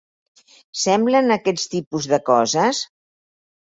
Semblen aquest tipus de coses?